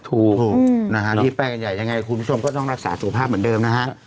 ถูกนะฮะที่แป้งกันใหญ่ยังไงคุณผู้ชมก็ต้องรักษาสุขภาพเหมือนเดิมนะฮะ